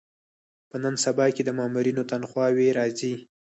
په نن سبا کې د مامورینو تنخوا وې راځي.